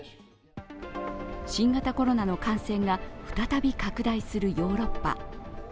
新型コロナの感染が再び拡大するヨーロッパ。